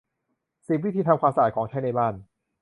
สิบ วิธีทำความสะอาดของใช้ในบ้าน